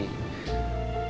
aku gak tahu